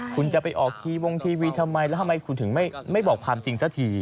คุณจะไปออกทีวงทีวีทำไมแล้วทำไมคุณถึงไม่บอกความจริงสักที